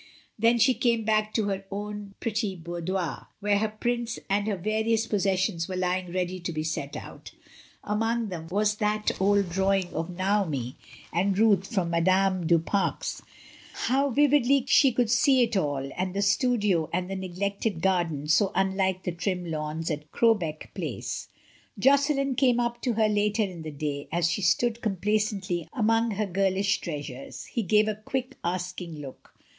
Then she came back to her own pretty boudoir, where her prints and her various possessions were lying ready to be set out: among them was that old drawing of Naomi and Ruth from Madame du Fare's; how vividly she could see it all, and the studio and the neglected garden, so unlike the trim lawns at Crow beck Place. Josselin came up to her later in the day as she stood complacently among her girlish treasures. He gave a quick, asking look.